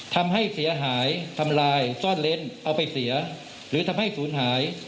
ทำให้เสียหายทำลายซ่อนเล้นเอาไปเสียหรือทำให้ศูนย์หาย